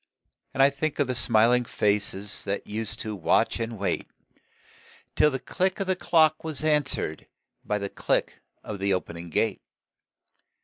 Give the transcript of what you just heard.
And I think of the smiling faces That used to watch and wait, Till the click of the clock was answered By the click of the opening gate.